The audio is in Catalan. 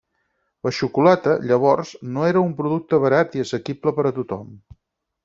La xocolata, llavors, no era un producte barat i assequible per a tothom.